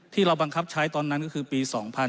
ที่เราบังคับใช้ตอนนั้นก็คือปี๒๕๕๙